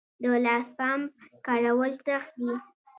د لاس پمپ کارول سخت دي؟